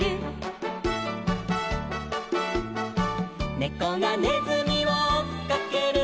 「ねこがねずみをおっかける」